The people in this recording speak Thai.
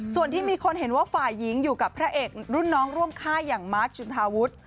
ส่วนที่มีคนเห็นว่าฝ่ายหญิงอยู่กับพระเอกรุ่นน้องร่วมค่ายอย่างมาร์คจุนทาวุฒิ